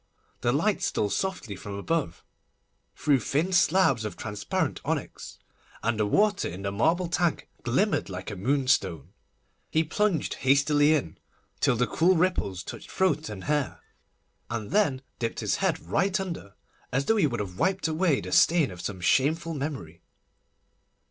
The light stole softly from above, through thin slabs of transparent onyx, and the water in the marble tank glimmered like a moonstone. He plunged hastily in, till the cool ripples touched throat and hair, and then dipped his head right under, as though he would have wiped away the stain of some shameful memory.